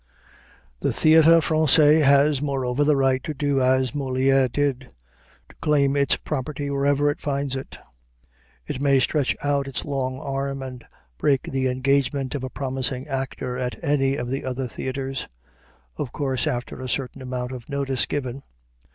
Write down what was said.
The Théâtre Français has, moreover, the right to do as Molière did to claim its property wherever it finds it. It may stretch out its long arm and break the engagement of a promising actor at any of the other theaters; of course after a certain amount of notice given.